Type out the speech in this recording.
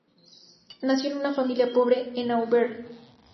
Nació en una familia pobre en Auvergne.